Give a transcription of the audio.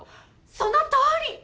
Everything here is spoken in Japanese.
そのとおり！